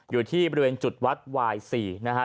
อยู่ที่บริเวณจุดวัดวาย๔นะฮะ